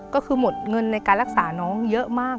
ก็คือหมดเงินในการรักษาน้องเยอะมาก